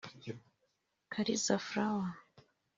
Kaliza Flower